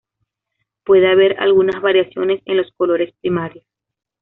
Puede haber algunas variaciones en los colores primarios.